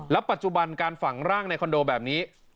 ปัจจุบันการฝังร่างในคอนโดแบบนี้